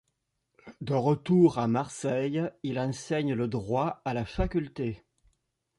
De retour à Marseille, il enseigne le droit à la faculté.